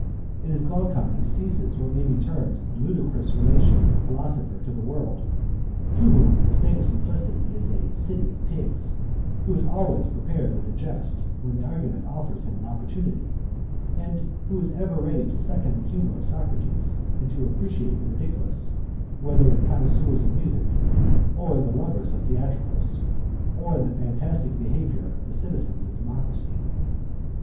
It is Glaucon who seizes what may be termed the ludicrous relation of the philosopher to the world, to whom a state of simplicity is 'a city of pigs,' who is always prepared with a jest when the argument offers him an opportunity, and who is ever ready to second the humour of Socrates and to appreciate the ridiculous, whether in the connoisseurs of music, or in the lovers of theatricals, or in the fantastic behaviour of the citizens of democracy.